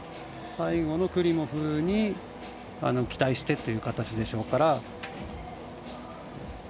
最後のクリモフに期待してという形でしょうから。